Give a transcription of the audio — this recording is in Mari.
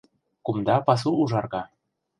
Кумда пасу ужарга